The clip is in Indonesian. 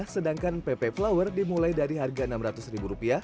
sedangkan mpe mpe flower dimulai dari rp enam ratus